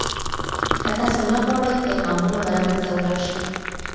که تاسو نه غواړئ، پیغامونه به له منځه ولاړ شي.